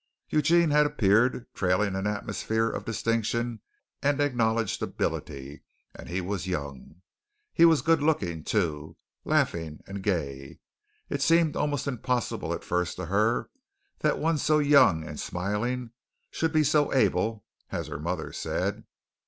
Eugene had appeared trailing an atmosphere of distinction and acknowledged ability and he was young. He was good looking, too laughing and gay. It seemed almost impossible at first to her that one so young and smiling should be so able, as her mother said.